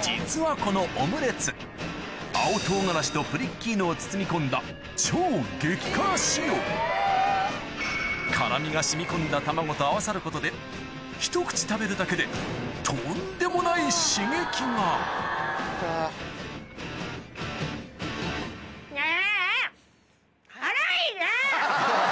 実はこのオムレツを包み込んだ超激辛仕様辛みが染み込んだ卵と合わさることでひと口食べるだけでとんでもない刺激がねぇ！